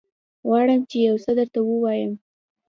غواړم چې يوڅه درته ووايم.